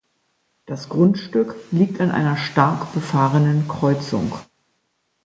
Das Grundstück liegt an einer stark befahrenen Kreuzung.